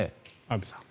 安部さん。